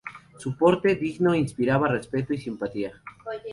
Su porte, digno, inspiraba respeto y simpatía.